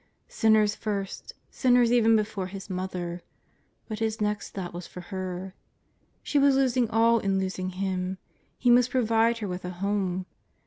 Sinners first, sinners even before His Mother. But His next thought was for her. She was losing all in losing Him; He must provide her with a home..